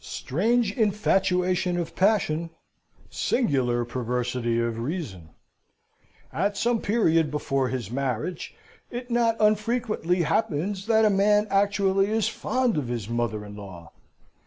Strange infatuation of passion singular perversity of reason! At some period before his marriage, it not unfrequently happens that a man actually is fond of his mother in law!